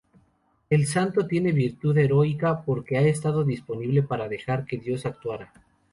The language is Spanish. El santo tiene virtud heroica porque “"ha estado disponible para dejar que Dios actuara.